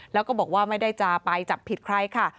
แล้วก็บอกว่าไม่ได้จะไปจับผิดใครค่ะ